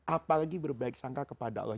apalagi berbaik sangka kepada allah